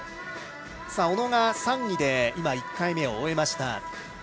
小野が３位で１回目を終えました。